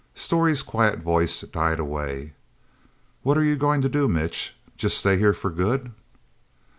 Storey's quiet voice died away. "What are you going to do, Mitch? Just stay here for good?"